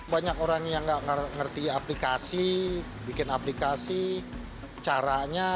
banyak orang yang nggak ngerti aplikasi bikin aplikasi caranya